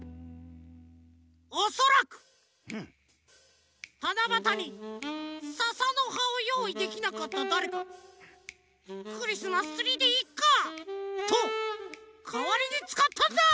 おそらくたなばたにささのはをよういできなかっただれかが「クリスマスツリーでいっか」とかわりにつかったんだ！